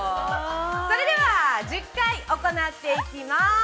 それでは、１０回行っていきます。